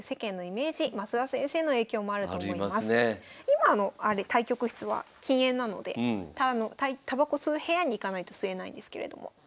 今の対局室は禁煙なのでたばこ吸う部屋に行かないと吸えないんですけれども。